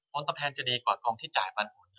ผลตอบแทนจะดีกว่ากองที่จ่ายปันผล